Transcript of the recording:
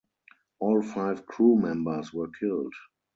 All five crew members were killed.